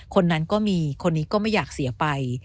คนนั้นก็มีคนนี้ก็ไม่อยากเสียไป